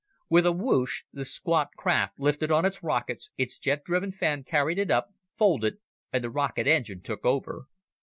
With a whoosh, the squat craft lifted on its rockets, its jet driven fan carried it up, folded, and the rocket engine took over.